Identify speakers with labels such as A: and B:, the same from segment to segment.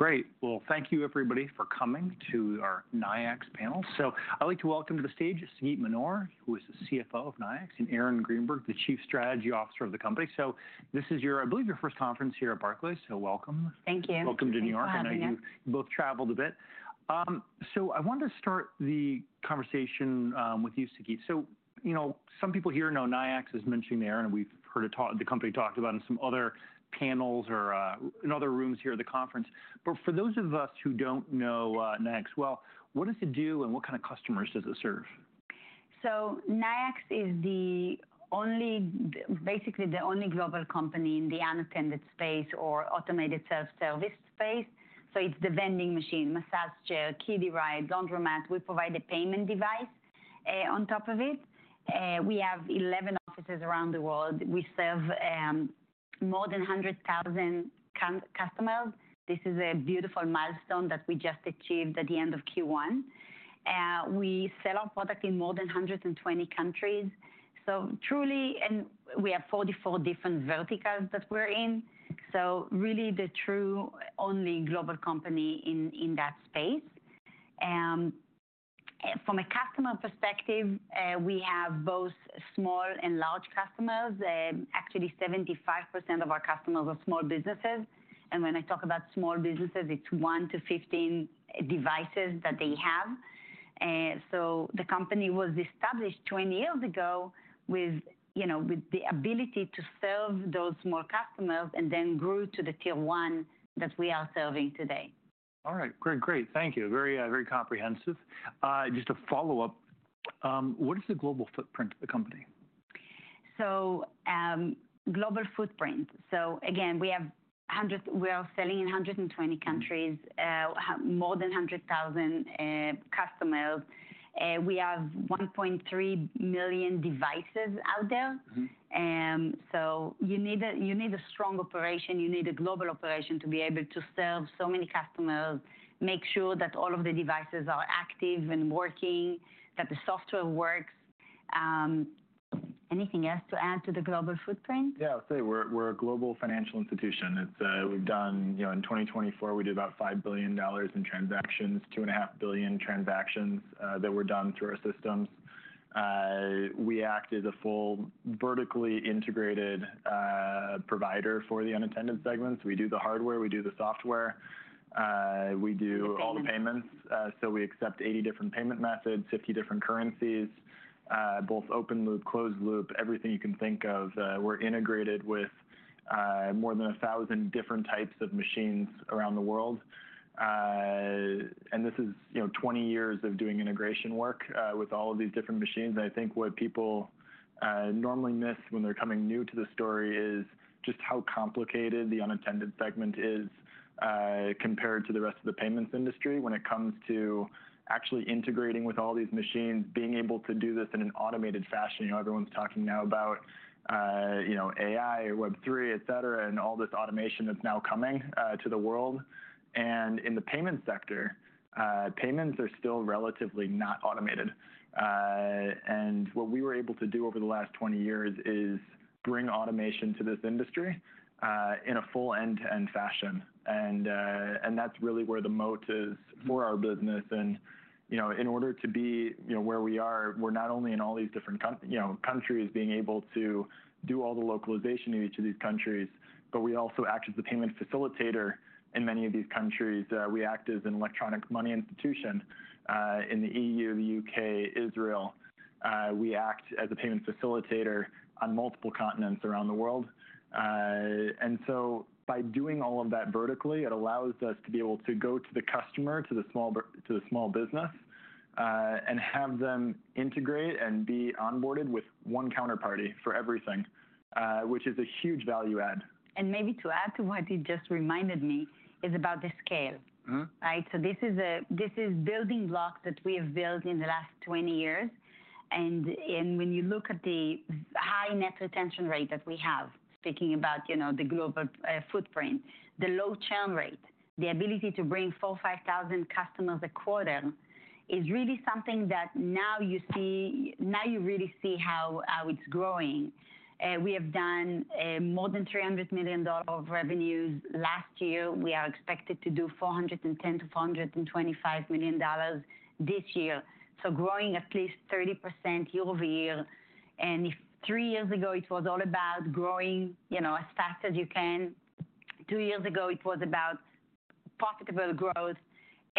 A: All right. Great. Thank you, everybody, for coming to our Nayax panel. I'd like to welcome to the stage Sagit Manor, who is the CFO of Nayax, and Aaron Greenberg, the Chief Strategy Officer of the company. This is your, I believe, your first conference here at Barclays. Welcome.
B: Thank you.
A: Welcome to New York.
B: Thank you.
A: I know you both traveled a bit. I wanted to start the conversation with you, Sagit. You know, some people here know Nayax as mentioned there, and we've heard the company talked about in some other panels or in other rooms here at the conference. For those of us who don't know Nayax, what does it do and what kind of customers does it serve?
B: Nayax is the only, basically the only global company in the unattended space or automated self-service space. It is the vending machine, massage chair, kiddie rides, laundromats. We provide a payment device on top of it. We have 11 offices around the world. We serve more than 100,000 customers. This is a beautiful milestone that we just achieved at the end of Q1. We sell our product in more than 120 countries. Truly, and we have 44 different verticals that we are in. Really the true only global company in that space. From a customer perspective, we have both small and large customers. Actually, 75% of our customers are small businesses. When I talk about small businesses, it is one to 15 devices that they have. The company was established 20 years ago with, you know, with the ability to serve those small customers and then grew to the tier one that we are serving today.
A: All right. Great, great. Thank you. Very, very comprehensive. Just a follow-up. What is the global footprint of the company?
B: Global footprint. Again, we have 100, we are selling in 120 countries, more than 100,000 customers. We have 1.3 million devices out there. You need a strong operation. You need a global operation to be able to serve so many customers, make sure that all of the devices are active and working, that the software works. Anything else to add to the global footprint?
C: Yeah, I'll say we're a global financial institution. It's, we've done, you know, in 2024, we did about $5 billion in transactions, two and a half billion transactions that were done through our systems. We act as a full vertically integrated provider for the unattended segments. We do the hardware, we do the software. We do all the payments. We accept 80 different payment methods, 50 different currencies, both open loop, closed loop, everything you can think of. We're integrated with more than 1,000 different types of machines around the world. This is, you know, 20 years of doing integration work with all of these different machines. I think what people normally miss when they're coming new to the story is just how complicated the unattended segment is compared to the rest of the payments industry when it comes to actually integrating with all these machines, being able to do this in an automated fashion. You know, everyone's talking now about, you know, AI, Web3, et cetera, and all this automation that's now coming to the world. In the payments sector, payments are still relatively not automated. What we were able to do over the last 20 years is bring automation to this industry in a full end-to-end fashion. That is really where the moat is for our business. You know, in order to be, you know, where we are, we're not only in all these different, you know, countries being able to do all the localization in each of these countries, but we also act as the payment facilitator in many of these countries. We act as an electronic money institution in the EU, the U.K., Israel. We act as a payment facilitator on multiple continents around the world. By doing all of that vertically, it allows us to be able to go to the customer, to the small business, and have them integrate and be onboarded with one counterparty for everything, which is a huge value add.
B: Maybe to add to what you just reminded me is about the scale, right? This is building blocks that we have built in the last 20 years. When you look at the high net retention rate that we have, speaking about, you know, the global footprint, the low churn rate, the ability to bring 4,000, 5,000 customers a quarter is really something that now you see, now you really see how it's growing. We have done more than $300 million of revenues last year. We are expected to do $410-$425 million this year. Growing at least 30% year-over-year. If three years ago it was all about growing, you know, as fast as you can, two years ago it was about profitable growth.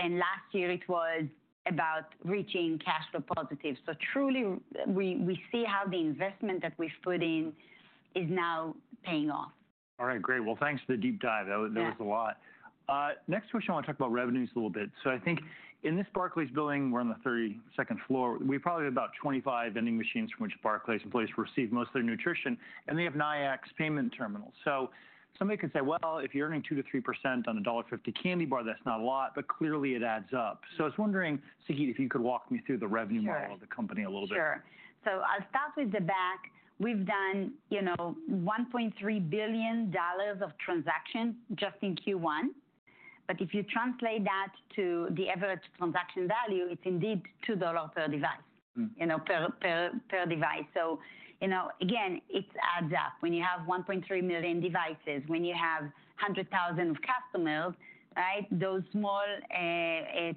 B: Last year it was about reaching cash flow positive. Truly we see how the investment that we've put in is now paying off.
A: All right, great. Thanks for the deep dive. That was a lot. Next question, I want to talk about revenues a little bit. I think in this Barclays building, we're on the 32nd floor. We probably have about 25 vending machines from which Barclays employees receive most of their nutrition. They have Nayax payment terminals. Somebody could say, if you're earning 2-3% on a $1.50 candy bar, that's not a lot, but clearly it adds up. I was wondering, Sagit, if you could walk me through the revenue model of the company a little bit.
B: Sure. I'll start with the back. We've done, you know, $1.3 billion of transactions just in Q1. If you translate that to the average transaction value, it's indeed $2 per device, you know, per device. You know, again, it adds up when you have 1.3 million devices, when you have 100,000 customers, right? Those small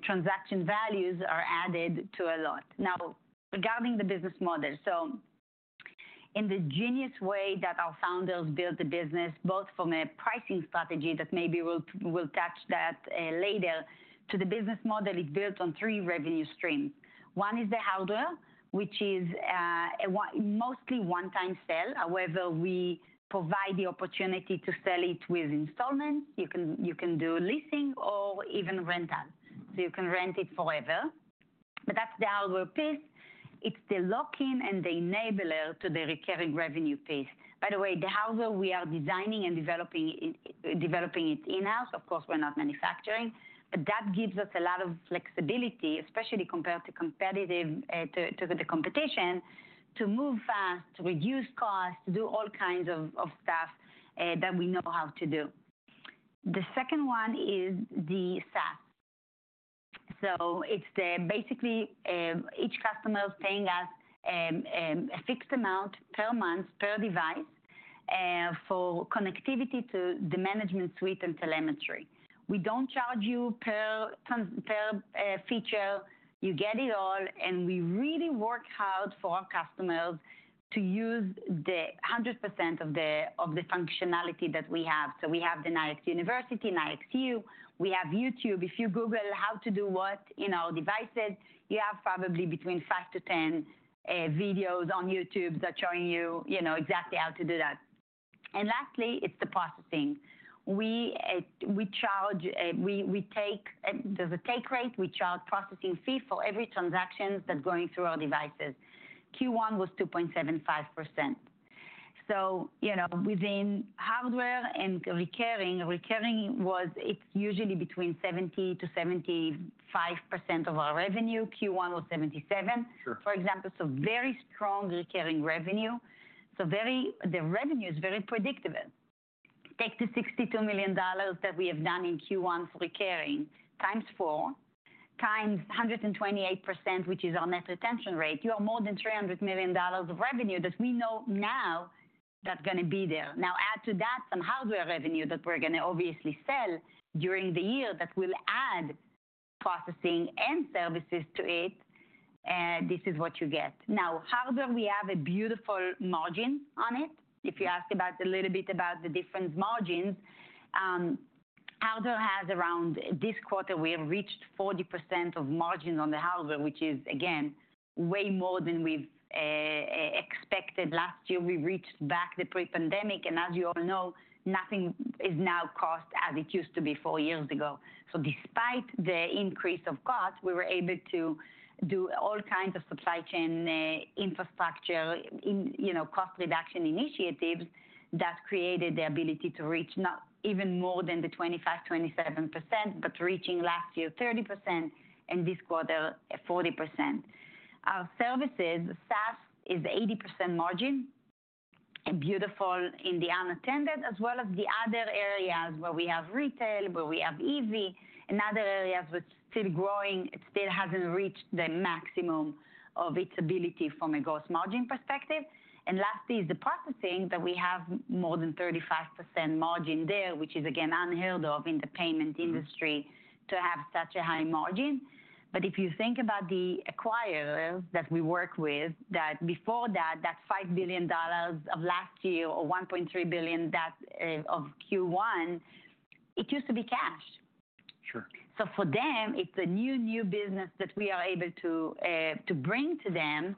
B: transaction values are added to a lot. Now, regarding the business model, in the genius way that our founders built the business, both from a pricing strategy that maybe we'll touch on later, to the business model, it's built on three revenue streams. One is the hardware, which is mostly one-time sale. However, we provide the opportunity to sell it with installments. You can do leasing or even rental. You can rent it forever. That's the hardware piece. It's the lock-in and the enabler to the recurring revenue piece. By the way, the hardware we are designing and developing it in-house, of course, we're not manufacturing, but that gives us a lot of flexibility, especially compared to the competition, to move fast, to reduce costs, to do all kinds of stuff that we know how to do. The second one is the SaaS. It is basically each customer paying us a fixed amount per month per device for connectivity to the management suite and telemetry. We do not charge you per feature. You get it all. We really work hard for our customers to use 100% of the functionality that we have. We have the Nayax University, Nayax U. We have YouTube. If you Google how to do what in our devices, you have probably between 5-10 videos on YouTube that show you, you know, exactly how to do that. Lastly, it's the processing. We charge, we take, there's a take rate. We charge processing fee for every transaction that's going through our devices. Q1 was 2.75%. You know, within hardware and recurring, recurring was, it's usually between 70%-75% of our revenue. Q1 was 77%, for example. Very strong recurring revenue. The revenue is very predictable. Take the $62 million that we have done in Q1 for recurring times four times 128%, which is our net retention rate. You are more than $300 million of revenue that we know now that's going to be there. Add to that some hardware revenue that we're going to obviously sell during the year that will add processing and services to it. This is what you get. Hardware, we have a beautiful margin on it. If you ask about a little bit about the difference margins, hardware has around this quarter, we have reached 40% of margins on the hardware, which is, again, way more than we have expected. Last year, we reached back the pre-pandemic. And as you all know, nothing is now cost as it used to be four years ago. Despite the increase of cost, we were able to do all kinds of supply chain infrastructure, you know, cost reduction initiatives that created the ability to reach not even more than the 25%, 27%, but reaching last year 30% and this quarter 40%. Our services, SaaS is 80% margin, beautiful in the unattended, as well as the other areas where we have retail, where we have EV, and other areas where it is still growing. It still has not reached the maximum of its ability from a gross margin perspective. Lastly is the processing that we have more than 35% margin there, which is again unheard of in the payment industry to have such a high margin. If you think about the acquirers that we work with, before that, that $5 billion of last year or $1.3 billion of Q1, it used to be cash.
A: Sure.
B: For them, it's a new, new business that we are able to bring to them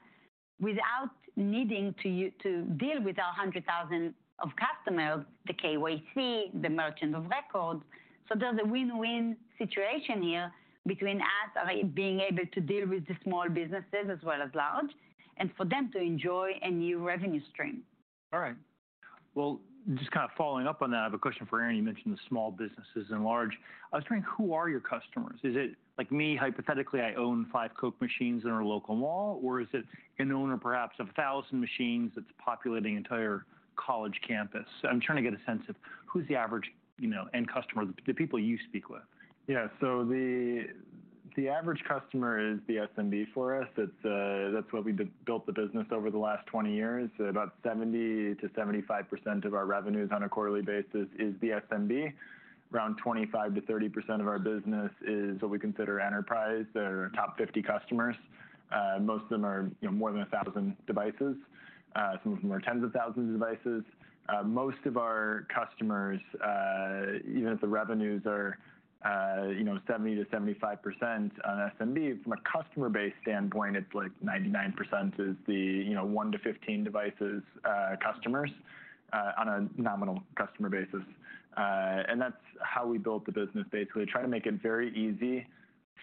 B: without needing to deal with our 100,000 customers, the KYC, the merchant of record. There's a win-win situation here between us being able to deal with the small businesses as well as large and for them to enjoy a new revenue stream.
A: All right. Just kind of following up on that, I have a question for Aaron. You mentioned the small businesses and large. I was wondering, who are your customers? Is it like me, hypothetically, I own five Coke machines in our local mall, or is it an owner perhaps of a thousand machines that's populating the entire college campus? I'm trying to get a sense of who's the average, you know, end customer, the people you speak with.
C: Yeah, so the average customer is the SMB for us. That's what we built the business over the last 20 years. About 70%-75% of our revenues on a quarterly basis is the SMB. Around 25%-30% of our business is what we consider enterprise, our top 50 customers. Most of them are, you know, more than a 1,000 devices. Some of them are 10,000 of devices. Most of our customers, even if the revenues are, you know, 70%-75% on SMB, from a customer base standpoint, it's like 99% is the, you know, one to 15 devices customers on a nominal customer basis. And that's how we built the business, basically. Try to make it very easy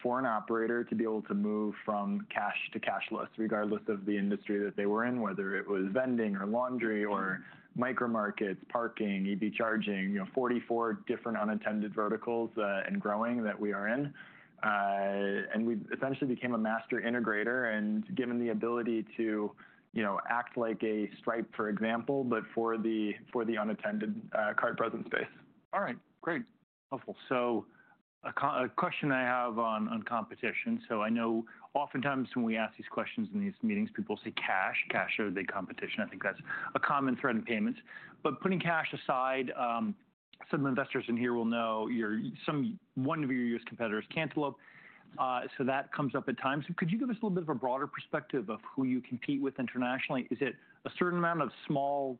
C: for an operator to be able to move from cash to cashless, regardless of the industry that they were in, whether it was vending or laundry or micro markets, parking, EV charging, you know, 44 different unattended verticals and growing that we are in. We essentially became a master integrator and given the ability to, you know, act like a Stripe, for example, but for the unattended card present space.
A: All right, great. Helpful. A question I have on competition. I know oftentimes when we ask these questions in these meetings, people say cash, cash or the competition. I think that's a common thread in payments. Putting cash aside, some investors in here will know you're one of your U.S. competitors, Cantaloupe. That comes up at times. Could you give us a little bit of a broader perspective of who you compete with internationally? Is it a certain amount of small,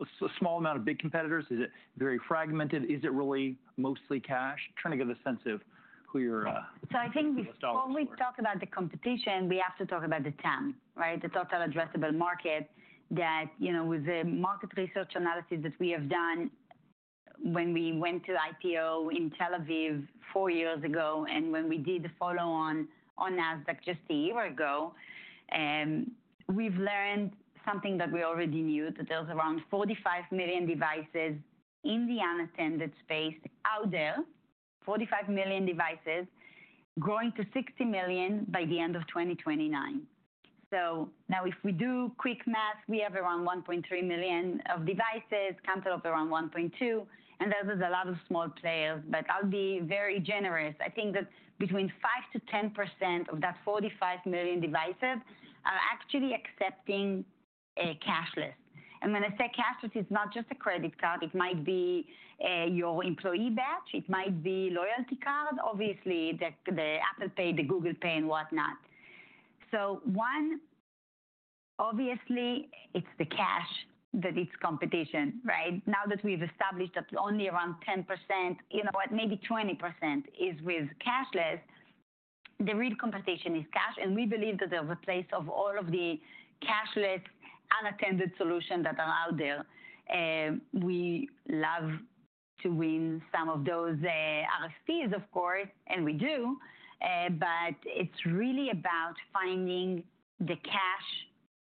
A: a small amount of big competitors? Is it very fragmented? Is it really mostly cash? Trying to get a sense of who you're.
B: I think before we talk about the competition, we have to talk about the TAM, right? The Total Addressable Market that, you know, with the market research analysis that we have done when we went to IPO in Tel Aviv four years ago and when we did the follow-on on Nasdaq just a year ago, we've learned something that we already knew, that there's around 45 million devices in the unattended space out there, 45 million devices growing to 60 million by the end of 2029. If we do quick math, we have around 1.3 million of devices, Cantaloupe around 1.2, and there's a lot of small players. I'll be very generous. I think that between 5%-10% of that 45 million devices are actually accepting cashless. When I say cashless, it's not just a credit card. It might be your employee badge. It might be loyalty cards, obviously the Apple Pay, the Google Pay, and whatnot. One, obviously it's the cash that it's competition, right? Now that we've established that only around 10%, you know what, maybe 20% is with cashless, the real competition is cash. We believe that there's a place of all of the cashless unattended solutions that are out there. We love to win some of those RFPs, of course, and we do. It's really about finding the cash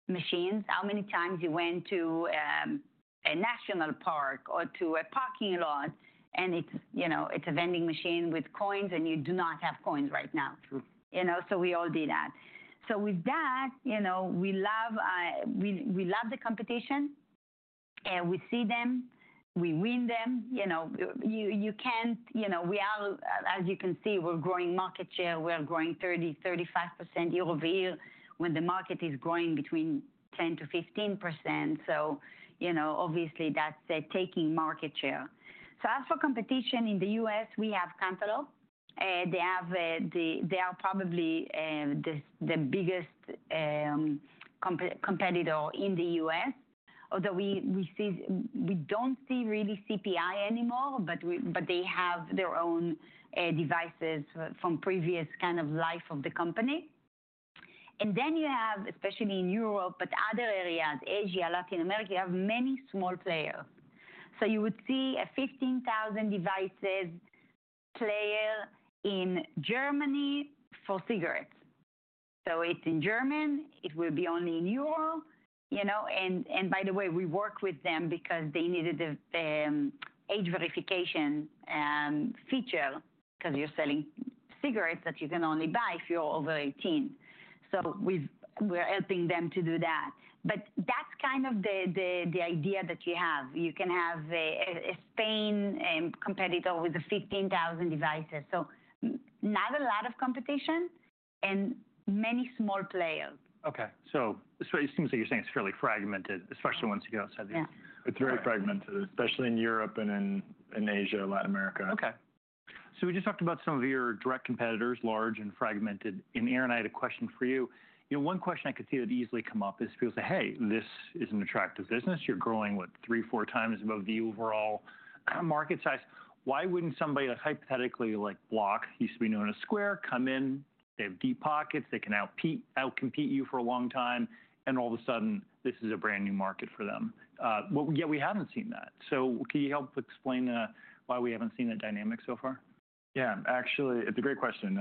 B: machines. How many times you went to a national park or to a parking lot and it's, you know, it's a vending machine with coins and you do not have coins right now, you know? We all do that. With that, you know, we love, we love the competition and we see them, we win them, you know? You can't, you know, we are, as you can see, we're growing market share. We're growing 30%, 35% year-over-year when the market is growing between 10%-15%. You know, obviously that's taking market share. As for competition in the U.S., we have Cantaloupe. They are probably the biggest competitor in the U.S., although we don't see really CPI anymore, but they have their own devices from previous kind of life of the company. You have, especially in Europe, but other areas, Asia, Latin America, many small players. You would see a 15,000 devices player in Germany for cigarettes. It's in German, it will be only in Europe, you know? By the way, we work with them because they needed the age verification feature because you're selling cigarettes that you can only buy if you're over 18. We're helping them to do that. That's kind of the idea that you have. You can have a Spain competitor with 15,000 devices. Not a lot of competition and many small players.
A: Okay. So it seems like you're saying it's fairly fragmented, especially once you go outside the.
B: Yeah.
A: It's very fragmented, especially in Europe and in Asia, Latin America. Okay. So we just talked about some of your direct competitors, large and fragmented. And Aaron and I, a question for you. You know, one question I could see that easily come up is people say, "Hey, this is an attractive business. You're growing what, three, four times above the overall market size. Why wouldn't somebody like hypothetically like Block, used to be known as Square, come in, they have deep pockets, they can outcompete you for a long time, and all of a sudden this is a brand new market for them?" Well, yeah, we haven't seen that. So can you help explain why we haven't seen that dynamic so far?
C: Yeah, actually it's a great question.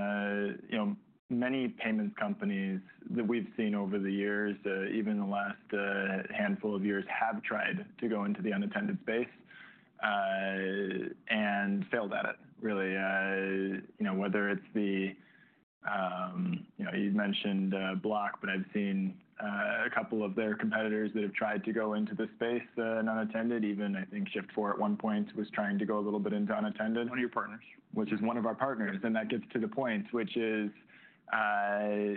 C: You know, many payments companies that we've seen over the years, even in the last handful of years, have tried to go into the unattended space and failed at it, really. You know, whether it's the, you know, you mentioned Block, but I've seen a couple of their competitors that have tried to go into the space, an unattended, even I think Shift4 at one point was trying to go a little bit into unattended.
A: One of your partners.
C: Which is one of our partners. That gets to the point, which is,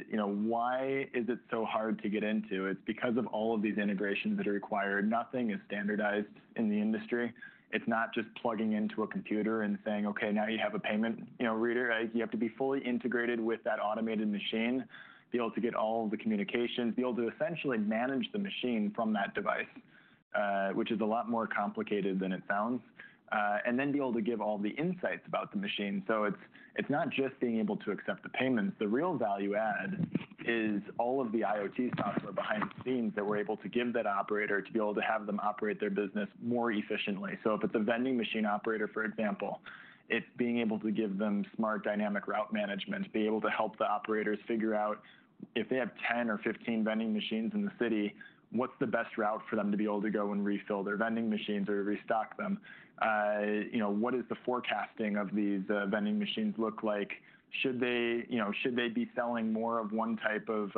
C: you know, why is it so hard to get into? It's because of all of these integrations that are required. Nothing is standardized in the industry. It's not just plugging into a computer and saying, "Okay, now you have a payment, you know, reader." You have to be fully integrated with that automated machine, be able to get all of the communications, be able to essentially manage the machine from that device, which is a lot more complicated than it sounds, and then be able to give all the insights about the machine. It's not just being able to accept the payments. The real value add is all of the IoT software behind the scenes that we're able to give that operator to be able to have them operate their business more efficiently. If it is a vending machine operator, for example, it is being able to give them smart dynamic route management, be able to help the operators figure out if they have 10 or 15 vending machines in the city, what is the best route for them to be able to go and refill their vending machines or restock them? You know, what does the forecasting of these vending machines look like? Should they, you know, should they be selling more of one type of,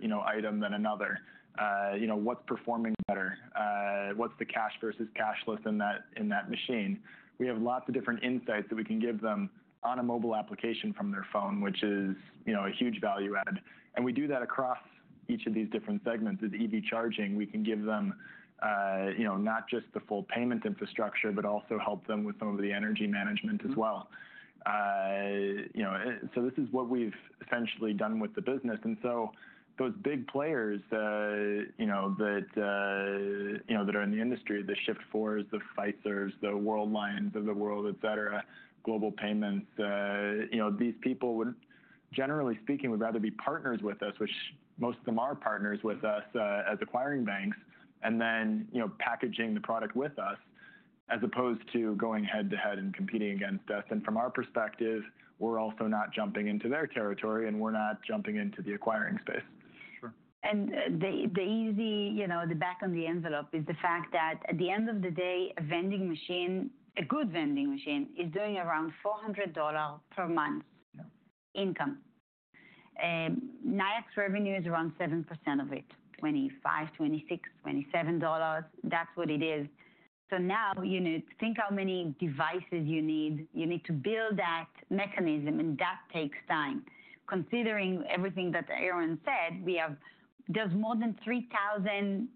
C: you know, item than another? You know, what is performing better? What is the cash versus cashless in that machine? We have lots of different insights that we can give them on a mobile application from their phone, which is, you know, a huge value add. We do that across each of these different segments. With EV charging, we can give them, you know, not just the full payment infrastructure, but also help them with some of the energy management as well. You know, so this is what we've essentially done with the business. Those big players, you know, that, you know, that are in the industry, the Shift4's, the Fiserv's, the Worldlines of the world, et cetera, global payments, you know, these people would, generally speaking, would rather be partners with us, which most of them are partners with us as acquiring banks, and then, you know, packaging the product with us as opposed to going head to head and competing against us. From our perspective, we're also not jumping into their territory and we're not jumping into the acquiring space.
A: Sure.
B: The easy, you know, the back on the envelope is the fact that at the end of the day, a vending machine, a good vending machine, is doing around $400 per month income. Nayax revenue is around 7% of it, $25, $26, $27. That's what it is. Now, you know, think how many devices you need. You need to build that mechanism and that takes time. Considering everything that Aaron said, we have just more than 3,000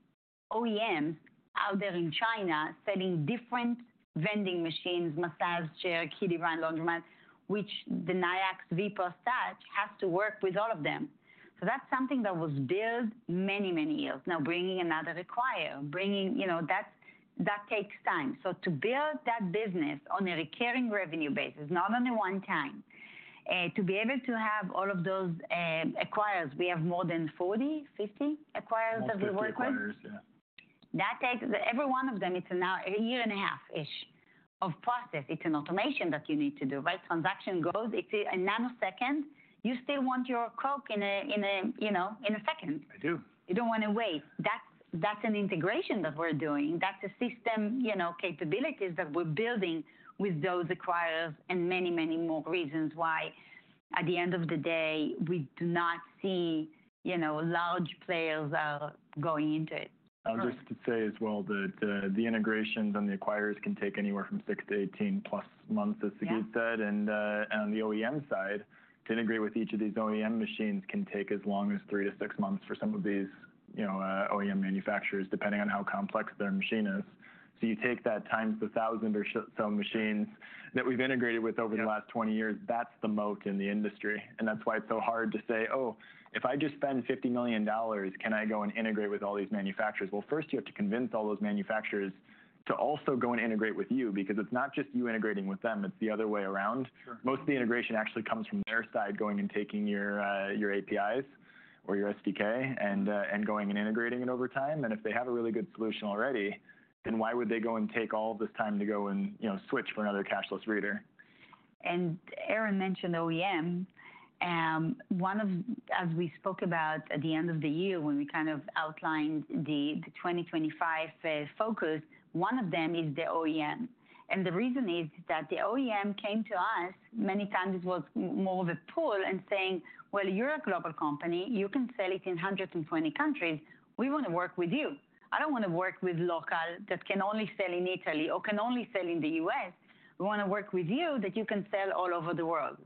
B: OEMs out there in China selling different vending machines, massage chair, kiddie run, laundromat, which the Nayax VPOS Touch has to work with all of them. That is something that was built many, many years now, bringing another acquirer, bringing, you know, that takes time. To build that business on a recurring revenue basis, not only one time, to be able to have all of those acquirers, we have more than 40, 50 acquirers that we work with.
A: That's a lot of acquirers, yeah.
B: That takes every one of them, it's a year and a half-ish of process. It's an automation that you need to do, right? Transaction goes, it's a nanosecond. You still want your Coke in a, you know, in a second.
A: I do.
B: You do not want to wait. That is an integration that we are doing. That is a system, you know, capabilities that we are building with those acquirers and many, many more reasons why at the end of the day, we do not see, you know, large players going into it.
C: I'll just say as well that the integrations and the acquirers can take anywhere from 6-18+ months, as Sagit said. On the OEM side, to integrate with each of these OEM machines can take as long as three to six months for some of these, you know, OEM manufacturers, depending on how complex their machine is. You take that times the thousand or so machines that we've integrated with over the last 20 years, that's the moat in the industry. That's why it's so hard to say, "Oh, if I just spend $50 million, can I go and integrate with all these manufacturers?" First you have to convince all those manufacturers to also go and integrate with you because it's not just you integrating with them, it's the other way around. Most of the integration actually comes from their side going and taking your APIs or your SDK and going and integrating it over time. If they have a really good solution already, then why would they go and take all of this time to go and, you know, switch for another cashless reader?
B: Aaron mentioned OEM. As we spoke about at the end of the year when we kind of outlined the 2025 focus, one of them is the OEM. The reason is that the OEM came to us many times, it was more of a pull and saying, "Well, you're a global company. You can sell it in 120 countries. We want to work with you. I don't want to work with local that can only sell in Italy or can only sell in the U.S.. We want to work with you that you can sell all over the world."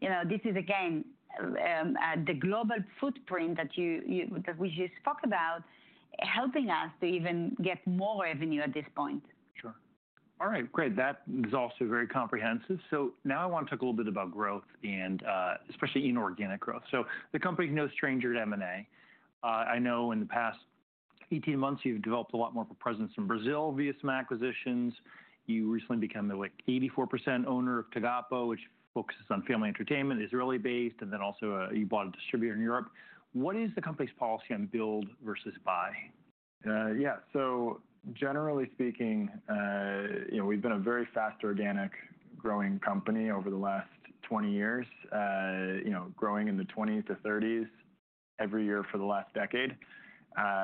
B: You know, this is again the global footprint that we just spoke about helping us to even get more revenue at this point.
A: Sure. All right. Great. That is also very comprehensive. Now I want to talk a little bit about growth and especially inorganic growth. The company is no stranger to M&A. I know in the past 18 months you have developed a lot more of a presence in Brazil via some acquisitions. You recently became the 84% owner of Tagapo, which focuses on family entertainment, Israeli-based, and then also you bought a distributor in Europe. What is the company's policy on build versus buy?
C: Yeah. So generally speaking, you know, we've been a very fast organic growing company over the last 20 years, you know, growing in the 20s-30s every year for the last decade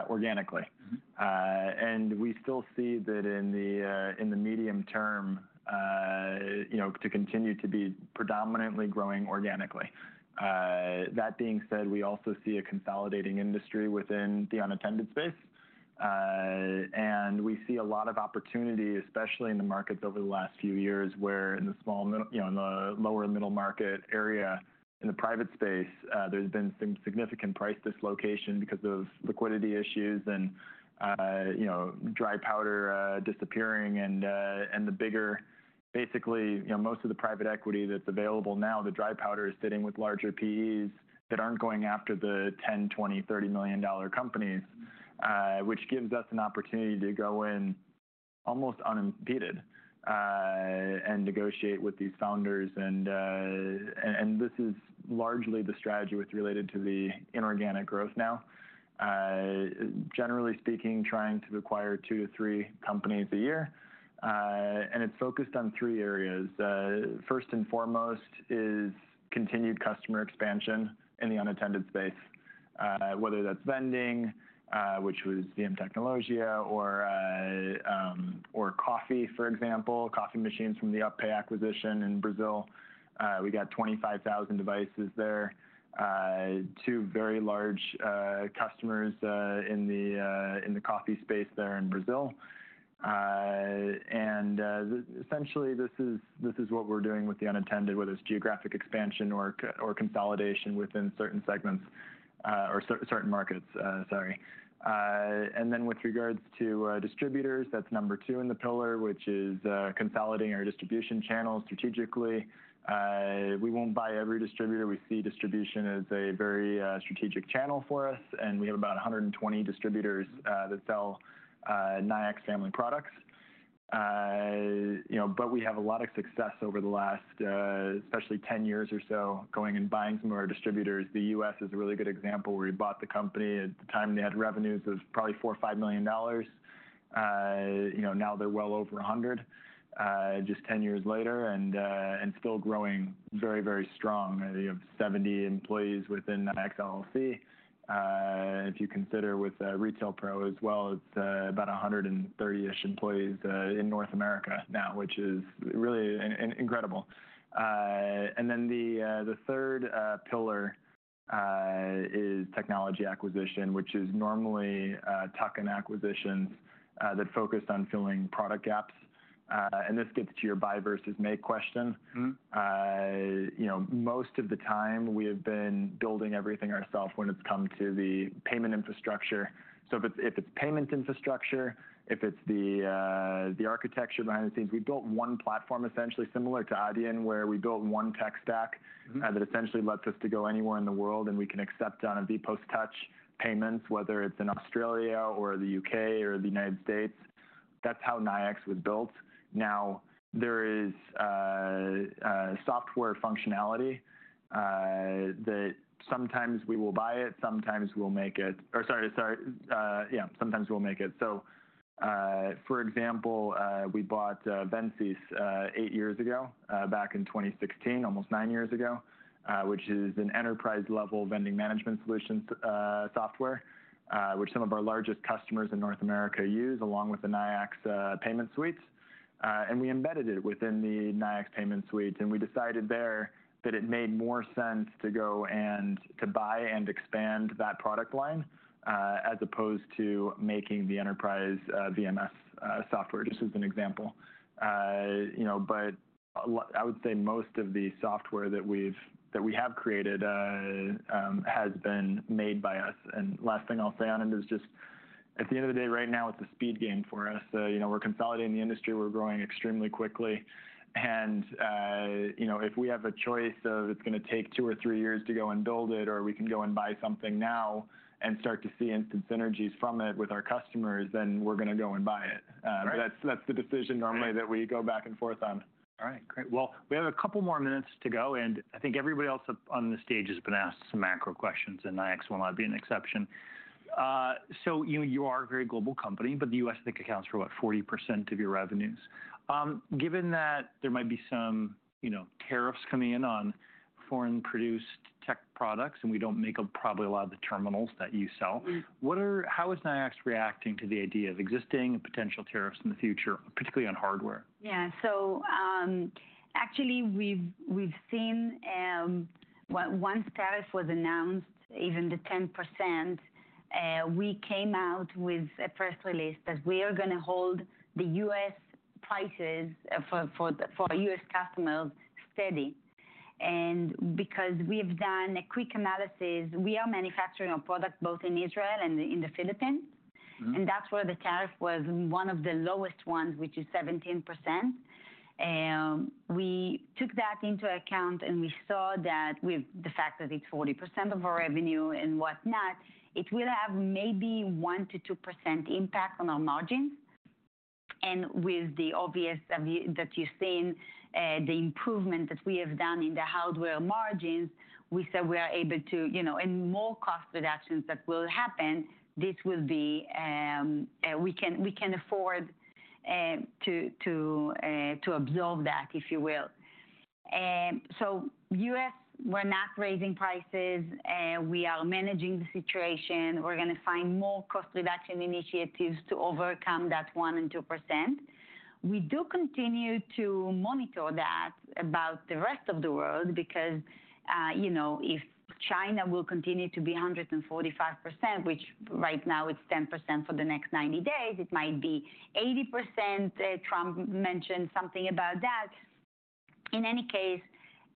C: organically. And we still see that in the medium term, you know, to continue to be predominantly growing organically. That being said, we also see a consolidating industry within the unattended space. We see a lot of opportunity, especially in the markets over the last few years where in the small, you know, in the lower middle market area in the private space, there's been some significant price dislocation because of liquidity issues and, you know, dry powder disappearing and the bigger, basically, you know, most of the private equity that's available now, the dry powder is sitting with larger PEs that aren't going after the $10 million, $20 million, $30 million companies, which gives us an opportunity to go in almost unimpeded and negotiate with these founders. This is largely the strategy with related to the inorganic growth now, generally speaking, trying to acquire two to three companies a year. It's focused on three areas. First and foremost is continued customer expansion in the unattended space, whether that's vending, which was VMtecnologia, or coffee, for example, coffee machines from the UPPay acquisition in Brazil. We got 25,000 devices there, two very large customers in the coffee space there in Brazil. Essentially this is what we're doing with the unattended, whether it's geographic expansion or consolidation within certain segments or certain markets, sorry. With regards to distributors, that's number two in the pillar, which is consolidating our distribution channels strategically. We won't buy every distributor. We see distribution as a very strategic channel for us. We have about 120 distributors that sell Nayax family products. You know, but we have a lot of success over the last, especially 10 years or so, going and buying some of our distributors. The U.S. is a really good example where we bought the company at the time they had revenues of probably $4 million or $5 million. You know, now they're well over $100 million just 10 years later and still growing very, very strong. You have 70 employees within Nayax. If you consider with Retail Pro as well, it's about 130-ish employees in North America now, which is really incredible. The third pillar is technology acquisition, which is normally tuck-in acquisitions that focus on filling product gaps. This gets to your buy versus make question. You know, most of the time we have been building everything ourselves when it's come to the payment infrastructure. If it is payment infrastructure, if it is the architecture behind the scenes, we built one platform essentially similar to Adyen where we built one tech stack that essentially lets us go anywhere in the world and we can accept on a VPOS Touch payments, whether it is in Australia or the U.K. or the United States. That is how Nayax was built. Now there is software functionality that sometimes we will buy it, sometimes we will make it, or, sorry, sorry, yeah, sometimes we will make it. For example, we bought VendSys eight years ago back in 2016, almost nine years ago, which is an enterprise-level vending management solution software, which some of our largest customers in North America use along with the Nayax payment suites. We embedded it within the Nayax payment suite. We decided there that it made more sense to go and to buy and expand that product line as opposed to making the enterprise VMS software, just as an example. You know, I would say most of the software that we have created has been made by us. Last thing I'll say on it is just at the end of the day, right now it's a speed game for us. You know, we're consolidating the industry. We're growing extremely quickly. You know, if we have a choice of it's going to take two or three years to go and build it or we can go and buy something now and start to see instant synergies from it with our customers, then we're going to go and buy it. That's the decision normally that we go back and forth on.
A: All right. Great. We have a couple more minutes to go. I think everybody else on the stage has been asked some macro questions and Nayax will not be an exception. You are a very global company, but the U.S., I think, accounts for what, 40% of your revenues. Given that there might be some, you know, tariffs coming in on foreign-produced tech products and we do not make up probably a lot of the terminals that you sell, what are, how is Nayax reacting to the idea of existing and potential tariffs in the future, particularly on hardware?
B: Yeah. Actually, we've seen once tariff was announced, even the 10%, we came out with a press release that we are going to hold the U.S. prices for U.S. customers steady. Because we have done a quick analysis, we are manufacturing our product both in Israel and in the Philippines. That's where the tariff was one of the lowest ones, which is 17%. We took that into account and we saw that with the fact that it's 40% of our revenue and whatnot, it will have maybe 1%-2% impact on our margins. With the obvious that you've seen, the improvement that we have done in the hardware margins, we said we are able to, you know, and more cost reductions that will happen, this will be, we can afford to absorb that, if you will. U.S., we're not raising prices. We are managing the situation. We're going to find more cost reduction initiatives to overcome that 1% and 2%. We do continue to monitor that about the rest of the world because, you know, if China will continue to be 145%, which right now it's 10% for the next 90 days, it might be 80%. Trump mentioned something about that. In any case,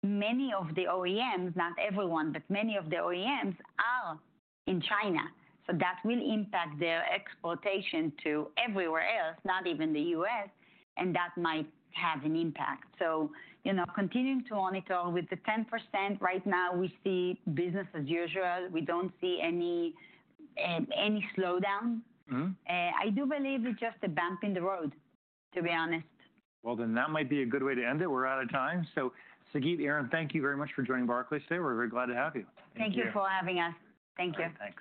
B: many of the OEMs, not everyone, but many of the OEMs are in China. That will impact their exportation to everywhere else, not even the U.S.. That might have an impact. You know, continuing to monitor with the 10% right now, we see business as usual. We don't see any slowdown. I do believe it's just a bump in the road, to be honest.
A: That might be a good way to end it. We're out of time. So Sagit and Aaron, thank you very much for joining Barclays today. We're very glad to have you.
B: Thank you for having us. Thank you.